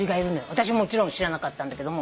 私も知らなかったんだけども。